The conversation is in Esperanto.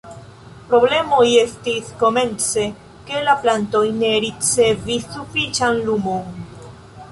Problemoj estis komence, ke la plantoj ne ricevis sufiĉan lumon.